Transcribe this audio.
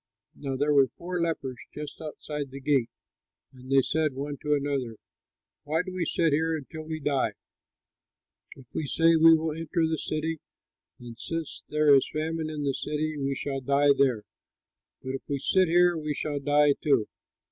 Now there were four lepers just outside the gate; and they said one to another, "Why do we sit here until we die? If we say, 'We will enter the city,' then, since there is famine in the city, we shall die there; but if we sit here, we shall die too.